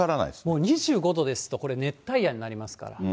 もう２５度ですと、これ、熱帯夜になりますから。